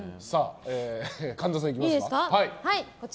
神田さん、いきましょうか。